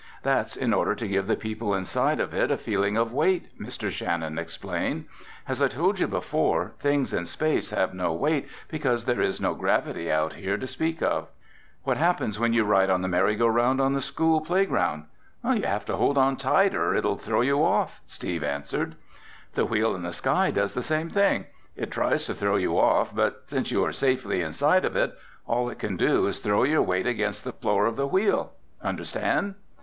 "That's in order to give the people inside of it a feeling of weight," Mr. Shannon explained. "As I told you before, things in space have no weight because there is no gravity out here to speak of. What happens when you ride on the merry go round on the school playground?" "You have to hold on tight or it'll throw you off," Steve answered. "The Wheel in the Sky does the same thing. It tries to throw you off, but since you are safely inside of it, all it can do is throw your weight against the floor of the Wheel. Understand?"